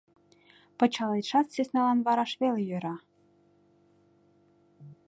Пычалетшат сӧсналан вараш веле йӧра.